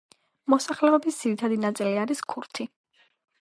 მოსახლეობის ძირითადი ნაწილი არის ქურთი.